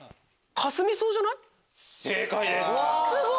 正解です。